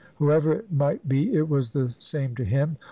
Whoever it might be it was the same to him.